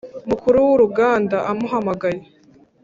mukuru wuruganda amuhamagaye